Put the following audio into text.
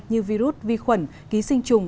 như virus vi khuẩn ký sinh chung